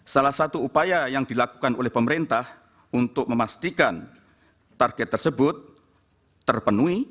salah satu upaya yang dilakukan oleh pemerintah untuk memastikan target tersebut terpenuhi